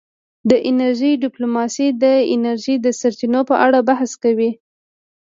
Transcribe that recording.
د انرژۍ ډیپلوماسي د انرژۍ د سرچینو په اړه بحث کوي